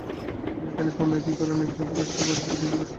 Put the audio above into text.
তিনি ইতালির পুনঃএকীকরণের একজন উপদেষ্টা বা অ্যাডভোকেট হিসেবে কাজ করেন।